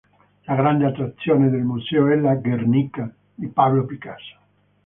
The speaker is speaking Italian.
La grande attrazione del museo è la "Guernica" di Pablo Picasso.